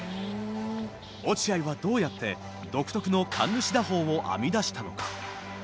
落合はどうやって独特の神主打法を編み出したのか。